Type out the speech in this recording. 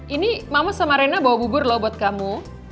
ini mama sama rena bawa bubur loh buat kamu